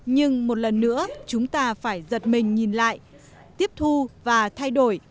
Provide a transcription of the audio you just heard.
nhưng một lần nữa chúng ta phải giật mình nhìn lại tiếp thu và thay đổi